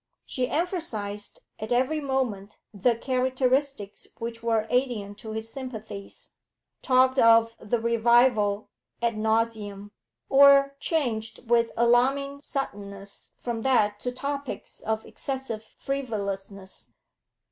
She emphasised at every moment the characteristics which were alien to his sympathies, talked of the 'revival' ad nauseam, or changed with alarming suddenness from that to topics of excessive frivolousness.